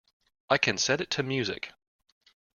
I can set it to music.